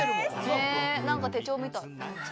何か手帳みたい。